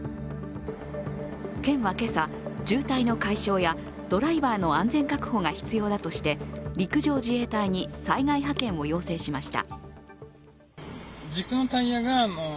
県は今朝、渋滞の解消やドライバーの安全確保が必要だとして陸上自衛隊に災害派遣を要請しました。